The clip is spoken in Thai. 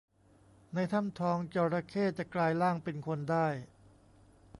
ในถ้ำทองจระเข้ จะกลายร่างเป็นคนได้